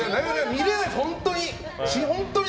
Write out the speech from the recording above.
見れないの本当に。